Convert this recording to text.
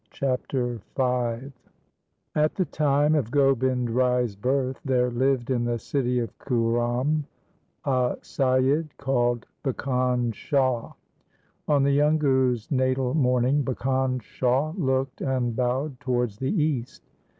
Chapter V At the time of Gobind Rai's birth there lived in the city of Kuhram a Saiyid called Bhikan Shah. On the young Guru's natal morning Bhikan Shah looked and bowed towards the east.